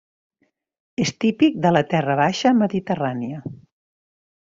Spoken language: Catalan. És típic de la terra baixa mediterrània.